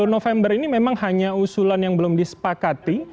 sepuluh november ini memang hanya usulan yang belum disepakati